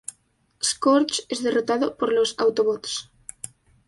Scourge es derrotado por los Autobots.